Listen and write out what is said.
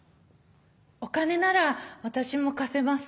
お金なら私も貸せます。